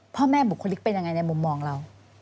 บุคลิกเป็นยังไงในมุมมองเรา